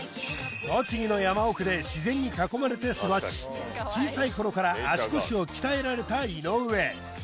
栃木の山奥で自然に囲まれて育ち小さい頃から足腰を鍛えられた井上